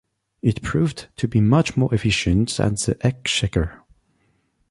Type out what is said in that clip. It proved to be much more efficient than the Exchequer.